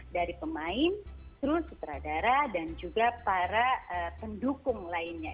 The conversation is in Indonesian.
dari pemain seluruh sutradara dan juga para pendukung lainnya